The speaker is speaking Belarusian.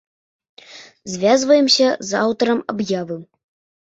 Звязваемся з аўтарам аб'явы.